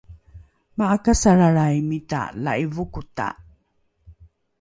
ma’akasalralraimita la’ivokota